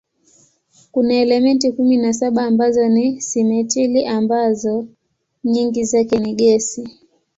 Kuna elementi kumi na saba ambazo ni simetili ambazo nyingi zake ni gesi.